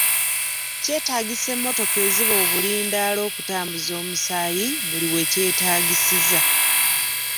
Kyetaagisa emmotoka eziba obulindaala okutambuza omusaayi buli we kyetaagisiza.